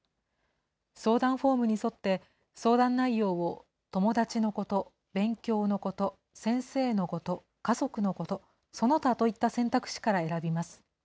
相談フォームに沿って、相談内容を友達のこと、勉強のこと、先生のこと、家族のこと、その他といった選択肢から選びます。